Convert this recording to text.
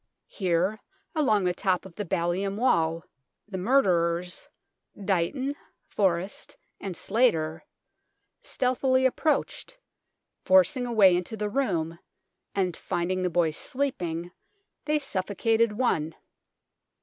Here, along the top of the ballium wall, the murderers, Dighton, Forrest, and Slater, stealthily approached, forcing a way into the room, and, finding the boys sleeping, they suffocated one.